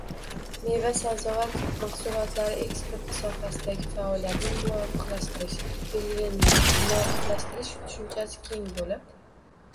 «meva-sabzavot mahsulotlari eksporti sohasidagi faoliyatni muvofiqlashtirish» belgilanayapti. «Muvofiqlashtirish» tushunchasi keng bo‘lib